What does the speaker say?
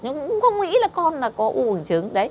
nhưng cũng không nghĩ là con có u năng buồn trứng